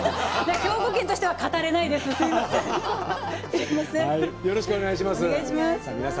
兵庫県民としては語れないです、すいません。